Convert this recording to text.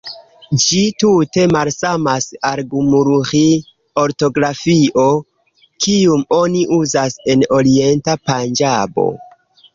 Ĝi tute malsamas al gurumuĥi-ortografio, kiun oni uzas en orienta Panĝabo.